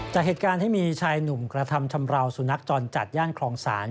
จากเหตุการณ์ที่มีชายหนุ่มกระทำชำราวสุนัขจรจัดย่านคลองศาล